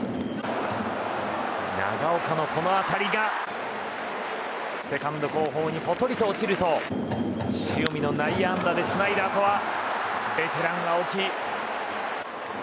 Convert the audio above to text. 長岡の当たりがセカンド後方にポトリと落ちると塩見の内野安打でつないだあとベテランの青木。